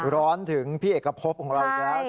ร้อนถึงพี่เอกพบของเราอีกแล้ว